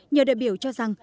nhờ đại biểu cho rằng